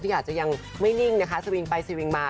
อาจจะยังไม่นิ่งนะคะสวิงไปสวิงมา